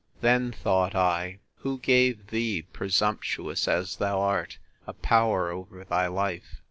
Then, thought I, who gave thee, presumptuous as thou art, a power over thy life?